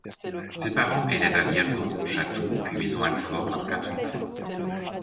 Ses parents élèvent à Vierzon, Chatou, puis Maisons-Alfort leurs quatre enfants.